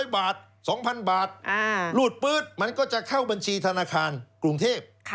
๐บาท๒๐๐๐บาทรูดปื๊ดมันก็จะเข้าบัญชีธนาคารกรุงเทพ